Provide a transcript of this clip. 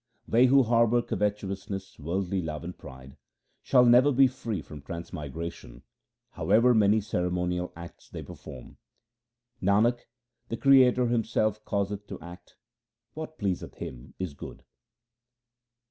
They who harbour covetousness, worldly love, and pride shall never be free from transmigration, however many ceremonial acts they perform. Nanak, the Creator Himself causeth to act ; what pleaseth Him is good.